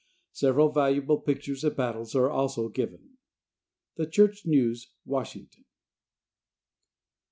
Several valuable pictures of battles are also given. The Church News, Washington.